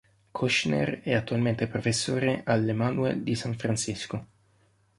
Kushner è attualmente professore all'Emanu-El di San Francisco.